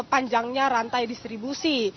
panjangnya rantai distribusi